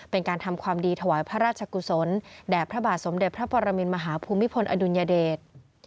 เป็นการทำความดีถวายพระราชกุศลแด่พระบาทสมเด็จพระปรมินมหาภูมิพลอดุลยเดช